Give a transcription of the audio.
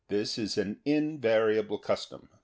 This is an invariable custom.